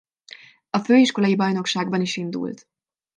A főiskolai bajnokságban is indult.